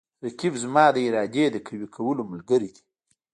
رقیب زما د ارادې د قوي کولو ملګری دی